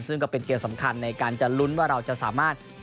ซึ่งก็เป็นเกมสำคัญในการจะลุ้นว่าเราจะสามารถ